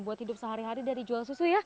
buat hidup sehari hari dari jual susu ya